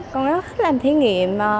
con rất thích làm thí nghiệm